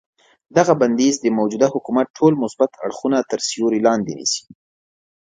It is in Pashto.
دغه بندیز د موجوده حکومت ټول مثبت اړخونه تر سیوري لاندې نیسي.